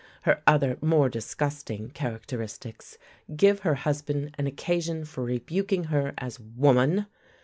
Her other, more disgusting, characteristics give her husband an occasion for rebuking her as "Woman!"